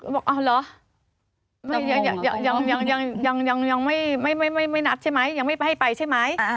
บอกอ๋อเหรอยังไม่นับใช่ไหมยังไม่ให้ไปใช่ไหม